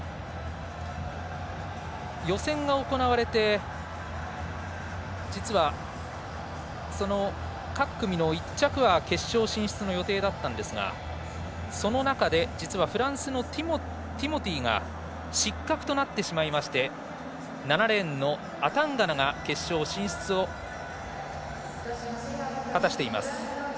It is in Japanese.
予選が行われて実は、各組の１着は決勝進出の予定だったんですがその中で、実はフランスの選手が失格となってしまいまして７レーンのアタンガナが決勝進出を果たしています。